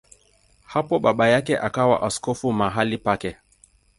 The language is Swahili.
Hapo baba yake akawa askofu mahali pake.